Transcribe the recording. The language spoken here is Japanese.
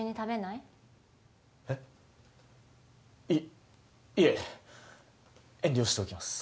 いいえ遠慮しておきます